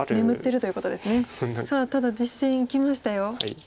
さあただ実戦いきましたよ。